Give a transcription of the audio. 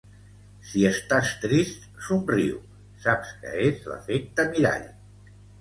Si estàs trist, somriu, saps què és l'efecte mirall